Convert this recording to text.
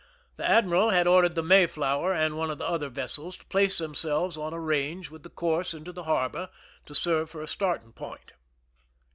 The admiral had ordered the Mayflower and one of the other vessels to place themselves on a range with the course into the harbor, to serve for a starting point.